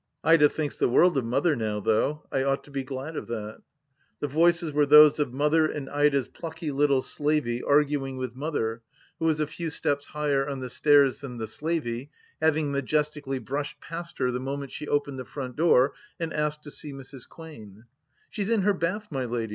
Ida thinks the world of Mother now, though ; I ought to be glad of that. ... The voices were those of Mother and Ida's plucky little slavey arguing with Mother, who was a few steps higher on the stairs than the slavey, having majestically brushed past her the moment she opened the front door and asked to see Mrs. Quain. " She's in her bath, my lady